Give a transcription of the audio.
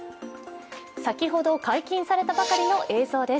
先ほど解禁されたばかりの映像です。